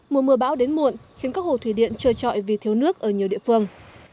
mùa mưa bão đến muộn khiến các hồ thủy điện trời trọi vì thiếu nước ở nhiều địa phương